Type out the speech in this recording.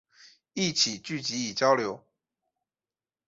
一起聚集与交流